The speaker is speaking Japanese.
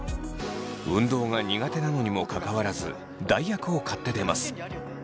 運動が苦手なのにもかかわらず代役を買って出ます。